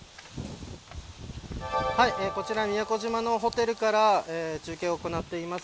はい、こちら宮古島のホテルから中継を行っています。